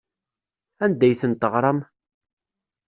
Anda ay ten-teɣram?